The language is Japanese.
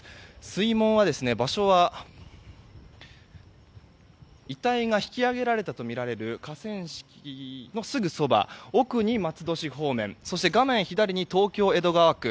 水門の場所は遺体が引き上げられたとみられる河川敷のすぐそば奥に松戸市方面そして画面左に東京・江戸川区。